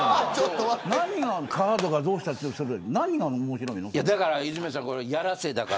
カードがどうしたって何が面白いの。